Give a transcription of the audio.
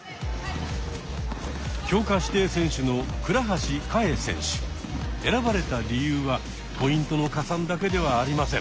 強化指定選手の選ばれた理由はポイントの加算だけではありません。